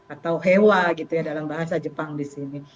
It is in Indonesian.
atau hewa gitu ya dalam bahasa jepang di sini